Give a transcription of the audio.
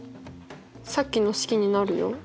さっきの式になるよ。